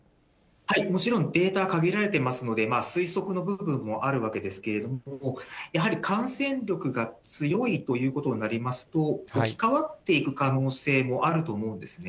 もちろんデータは限られてますので、推測の部分もあるわけですけれども、やはり感染力が強いということになりますと、置き換わっていく可能性もあると思うんですね。